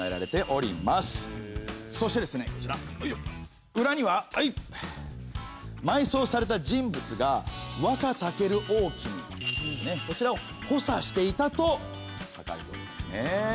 そしてですねこちら裏にはまいそうされた人物がワカタケル大王こちらを補佐していたと書かれてるんですね。